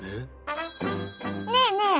ねえねえ